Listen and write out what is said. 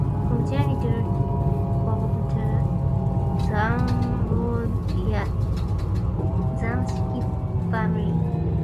Progenitor of the Zamoyski family.